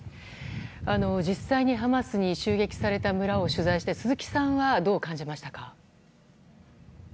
実際にハマスに襲撃された村を取材して鈴木さんはどう感じましたか？